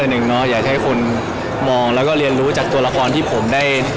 ในสองวีคสุดท้ายนี้ครับ